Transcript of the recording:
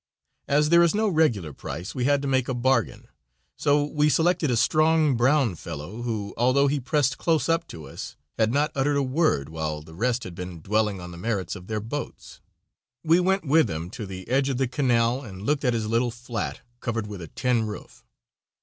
As there is no regular price, we had to make a bargain, so we selected a strong, brown fellow, who, although he pressed close up to us, had not uttered a word while the rest had been dwelling on the merits of their boats. We went with him to the edge of the canal and looked at his little flat, covered with a tin roof.